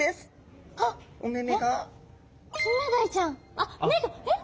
あっ目が！えっ？